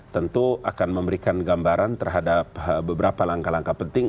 tentu akan memberikan gambaran terhadap beberapa langkah langkah penting